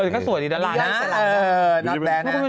ก็สวยดีด้วยนะล่ะนะ